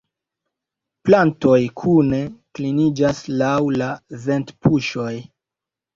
Plantoj kune kliniĝas laŭ la ventpuŝoj.